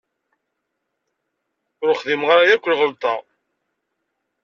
Ur xdimeɣ ara akk lɣelḍat.